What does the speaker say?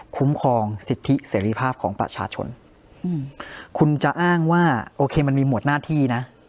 คุ้มครองสิทธิเสรีภาพของประชาชนคุณจะอ้างว่าโอเคมันมีหมวดหน้าที่นะ